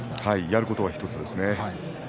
やることは１つですね。